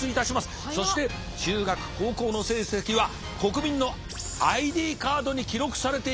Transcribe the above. そして中学・高校の成績は国民のＩＤカードに記録されていくという。